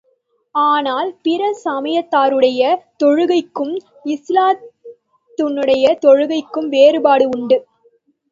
ஆனால், பிற சமயத்தாருடைய தொழுகைக்கும், இஸ்லாத்தினுடைய தொழுகைக்கும் வேறுபாடு உண்டு.